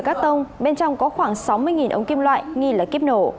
các tông bên trong có khoảng sáu mươi ống kim loại nghi là kiếp nổ